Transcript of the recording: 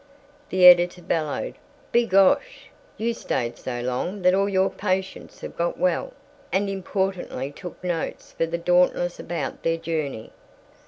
The editor bellowed, "B' gosh you stayed so long that all your patients have got well!" and importantly took notes for the Dauntless about their journey.